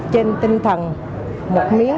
trên tinh thần một miếng